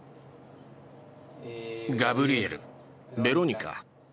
ガブリエルベロニカ。